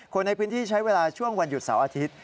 คนในพื้นที่ใช้เวลาช่วงวันหยุดเสาร์อาทิตย์